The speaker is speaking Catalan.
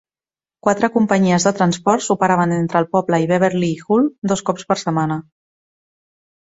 Quatre companyies de transports operaven entre el poble i Beverley i Hull dos cops per setmana.